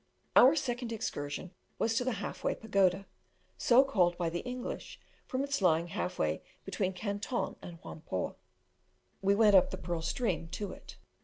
Our second excursion was to the Half way Pagoda, so called by the English from its lying half way between Canton and Whampoa. We went up the Pearl stream to it.